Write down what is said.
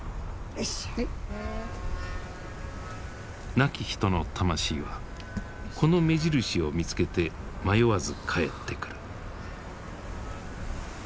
亡き人の魂はこの目印を見つけて迷わずかえってくる。